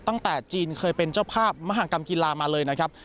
ตั้งแต่จีนเคยเป็นเจ้าภาพมหากรรมกีฬามาเลยนะครับ